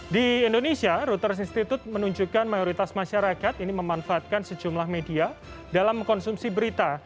di indonesia router institute menunjukkan mayoritas masyarakat ini memanfaatkan sejumlah media dalam mengkonsumsi berita